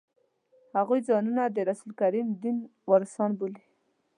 هغوی ځانونه د رسول کریم دین وارثان بولي.